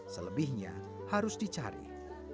selebihnya harus dicari